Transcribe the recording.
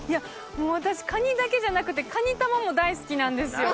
もう私カニだけじゃなくてカニ玉も大好きなんですよ。